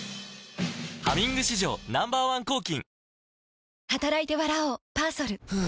「ハミング」史上 Ｎｏ．１ 抗菌